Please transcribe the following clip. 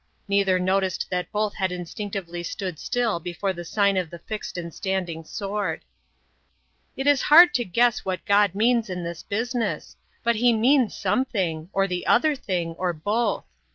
Neither noticed that both had instinctively stood still before the sign of the fixed and standing sword. "It is hard to guess what God means in this business. But he means something or the other thing, or both.